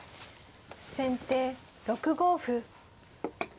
先手６五歩。